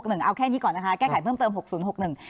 หนึ่งเอาแค่นี้ก่อนนะคะแก้ไขเพิ่มเติมหกศูนย์หกหนึ่ง